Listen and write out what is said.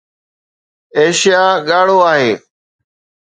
Asia ڳاڙهو آهي.